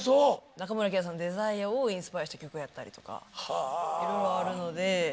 中森明菜さんの「ＤＥＳＩＲＥ」をインスパイアした曲やったりとかいろいろあるので。